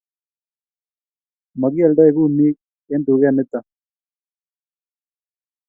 Maki aldoi kumiek eng duket nitok